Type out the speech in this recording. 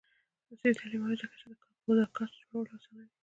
عصري تعلیم مهم دی ځکه چې د پوډکاسټ جوړولو اسانوي.